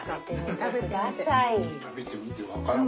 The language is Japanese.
食べてみて分かるか。